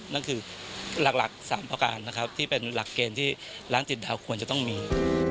นั่นคือหลัก๓ประการนะครับที่เป็นหลักเกณฑ์ที่ร้านติดดาวควรจะต้องมี